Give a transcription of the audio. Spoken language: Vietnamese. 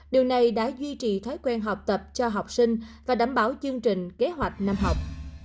điều này đã duy trì thói quen học tập cho học sinh và đảm bảo chương trình kế hoạch năm học